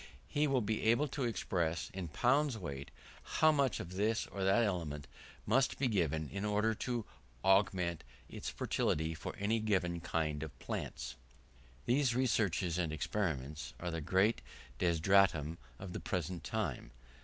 He will be able to express, in pounds weight, how much of this or that element he must give in order to augment its fertility for any given kind of plants. These researches and experiments are the great desideratum of the present time.